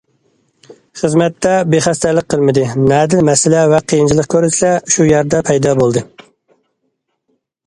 خىزمەتتە بىخەستەلىك قىلمىدى، نەدە مەسىلە ۋە قىيىنچىلىق كۆرۈلسە شۇ يەردە پەيدا بولدى.